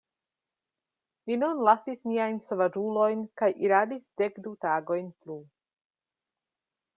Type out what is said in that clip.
Ni nun lasis niajn sovaĝulojn kaj iradis dekdu tagojn plu.